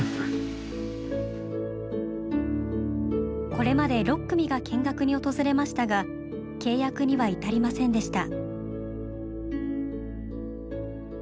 これまで６組が見学に訪れましたが契約には至りませんでした。